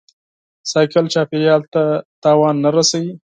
بایسکل چاپېریال ته زیان نه رسوي.